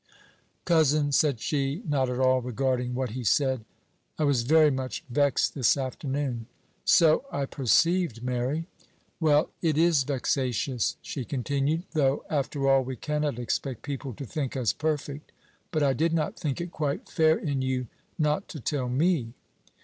"Cousin," said she, not at all regarding what he said, "I was very much vexed this afternoon." "So I perceived, Mary." "Well, it is vexatious," she continued, "though, after all, we cannot expect people to think us perfect; but I did not think it quite fair in you not to tell me."